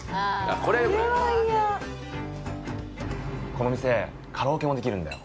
この店カラオケもできるんだよ